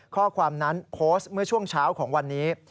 ข้อความนั้นโพสต์เมื่อช่วงเช้าของวันนี้